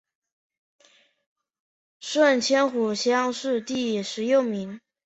顺天府乡试第十六名。